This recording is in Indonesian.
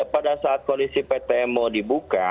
pada saat kondisi pt mo dibuka